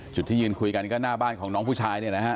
ที่ยืนคุยกันก็หน้าบ้านของน้องผู้ชายเนี่ยนะฮะ